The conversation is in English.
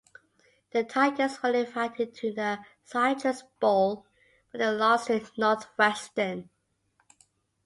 The Tigers were invited to the Citrus Bowl where they lost to Northwestern.